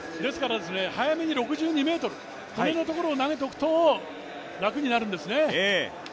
早めに６２ｍ、その辺のところを投げておくと楽になるんですね。